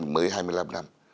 mới hai mươi năm năm